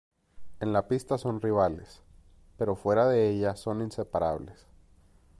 En la pista son rivales, pero fuera de ella son inseparables.